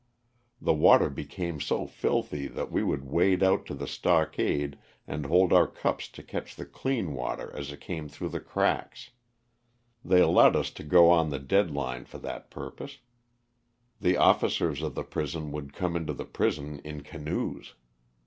The water became so filthy that we would wade out to the stockade and hold our cups to catch the clean water as it came through the cracks. They allowed us to go on the dead line for that pur pose. The officers of the prison would come into the prison in canoes.